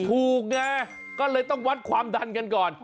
ถูกไงก็เลยต้องวัดความดันกันก่อน